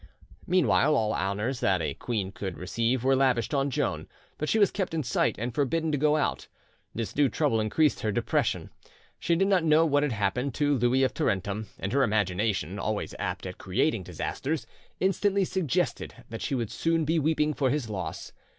Meanwhile all honours that a queen could receive were lavished on Joan; but she was kept in sight and forbidden to go out. This new trouble increased her depression: she did not know what had happened to Louis of Tarentum, and her imagination, always apt at creating disasters, instantly suggested that she would soon be weeping for his loss.